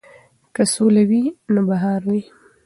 که سوله وي نو بهار وي.